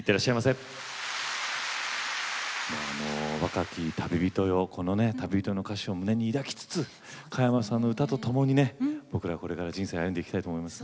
若き旅人よ、この「旅人よ」の歌詞を胸に抱きつつ加山さんの歌とともに僕らこれから人生を歩んでいきたいと思います。